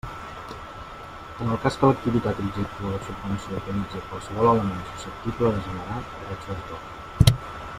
En el cas que l'activitat objecte de la subvenció utilitzi qualsevol element susceptible de generar drets d'autor.